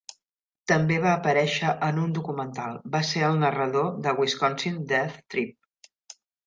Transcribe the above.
També va aparèixer en un documental, va ser el narrador de "Wisconsin Death Trip".